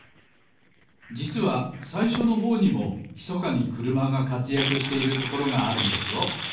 じつはさいしょのほうにもひそかにくるまがかつやくしているところがあるんですよ